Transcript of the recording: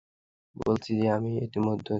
বলেছি যে, আমি এরিমধ্যে তার নামটাও ভুলে গেছি।